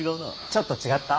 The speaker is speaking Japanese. ちょっと違った？